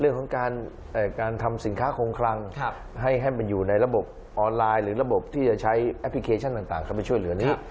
เรื่องของการทำสินค้าคงคลังให้มันอยู่ในระบบออนไลน์หรือระบบที่จะใช้แอปพลิเคชันต่างเข้าไปช่วยเหลือนี้